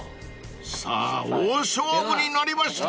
［さぁ大勝負になりました］